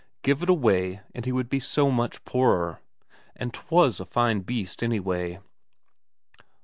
give it away, and he would be so much poorer. And 'twas a fine beast, anyway.